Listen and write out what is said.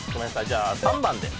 じゃあ３番で。